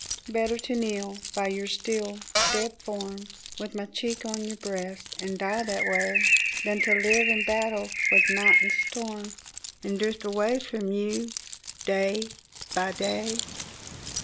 Better to kneel by your still dead form, With my cheek on your breast, and die that way, Than to live and battle with night and storm, And drift away from you day by day.